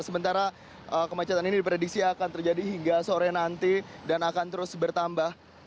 sementara kemacetan ini diprediksi akan terjadi hingga sore nanti dan akan terus bertambah